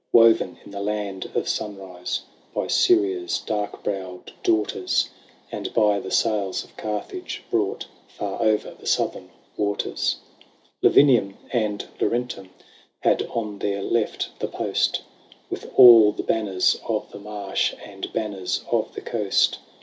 Woven in the land of sunrise By Syria's dark browed daughters. 106 LAYS OF ANCIENT ROME. And by the sails of Carthage brought Far o'er the southern waters. XII. Lavinium and Laurentum Had on the left their post, With all the banners of the marsh, And banners of the coast.